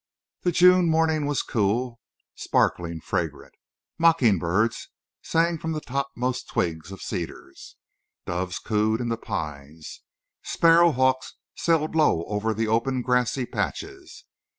The June morning was cool, sparkling, fragrant. Mocking birds sang from the topmost twig of cedars; doves cooed in the pines; sparrow hawks sailed low over the open grassy patches.